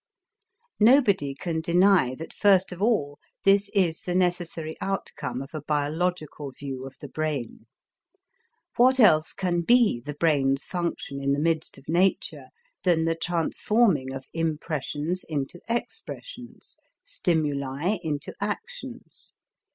Nobody can deny that first of all this is the necessary outcome of a biological view of the brain. What else can be the brain's function in the midst of nature than the transforming of impressions into expressions, stimuli into actions?